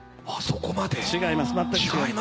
あっそこまで違いますか。